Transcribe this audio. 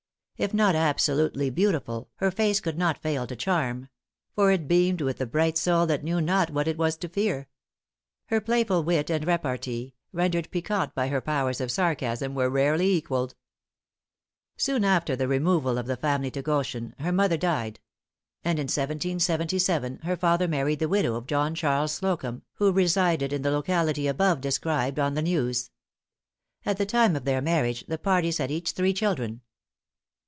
If not absolutely beautiful, her face could not fail to charm; for it beamed with the bright soul that knew not what it was to fear. Her playful wit and repartee, rendered piquant by her powers of sarcasm, were rarely equalled. Soon after the removal of the family to Goshen, her mother died; and in 1777, her father married the widow of John Charles Slocumb, who resided in the locality above described, on the Neuse.. At the time of their marriage, the parties had each three children.